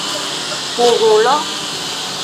Ku hun lo.